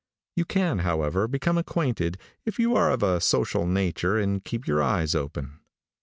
You can, however, become acquainted, if you are of a social nature and keep your eyes open.